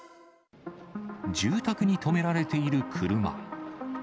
住宅に止められている車。